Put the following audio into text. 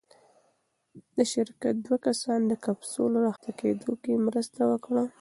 د شرکت دوه کسان د کپسول راښکته کېدو کې مرسته وکړه.